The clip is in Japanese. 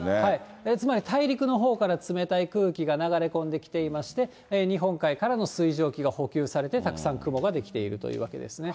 つまり大陸のほうから冷たい空気が流れ込んできていまして、日本海からの水蒸気が補給されて、たくさん雲が出来ているというわけですね。